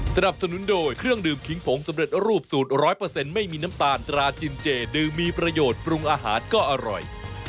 สนับสนุนโดยเครื่องดื่มขิงผงสำเร็จรูปสูตร๑๐๐ไม่มีน้ำตาลตราจินเจดื่มมีประโยชน์ปรุงอาหารก็อร่อย